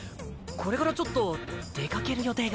これからちょっと出かける予定が。